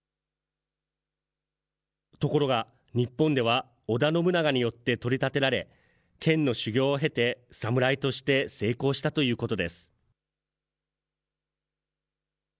ところが、日本では織田信長によって取り立てられ、剣の修行を経て、侍として成功したということです。